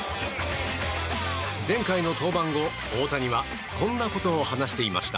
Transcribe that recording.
前回の登板後、大谷はこんなことを話していました。